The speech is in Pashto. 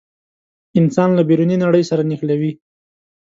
انسان له بیروني نړۍ سره نښلوي.